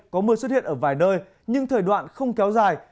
có mưa xuất hiện ở vài nơi nhưng thời đoạn không kéo dài